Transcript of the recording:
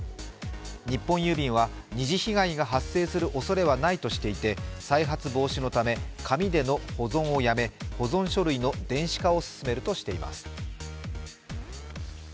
日本郵便は二次被害が発生するおそれはないとしていて再発防止のため紙での保存をやめ保存書類の電子化を進めるとしています。